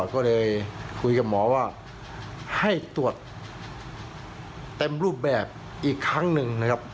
ก็เลยคุยกับหมอว่าให้ตรวจเต็มรูปแบบอีกครั้งหนึ่งนะครับ